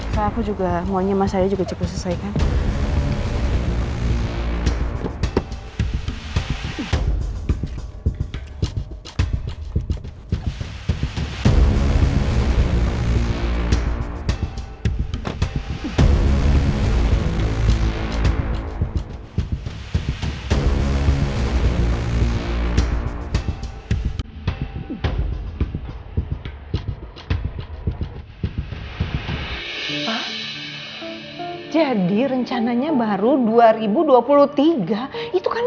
karena aku juga maunya mas saya juga cukup selesai kan